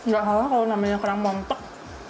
gak salah kalau namanya kerang montok